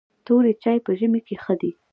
توري چای په ژمي کې ښه دي .